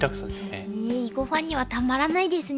囲碁ファンにはたまらないですね。